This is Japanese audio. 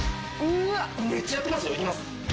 めっちゃやってますよ。いきます。